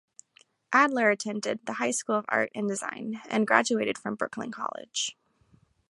Adler attended the High School of Art and Design, and graduated from Brooklyn College.